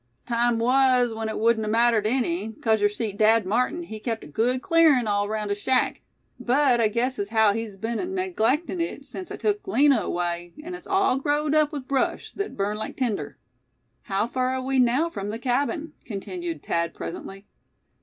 "Time was when it wudn't amattered any, 'cause yer see, Dad Martin, he kept a good clearin' all 'raound his shack; but I guess as haow he's been an' neglected it sense I took Lina away, an' it's all growed up with brush, thet'd burn like tinder." "How far away are we now from the cabin?" continued Thad, presently.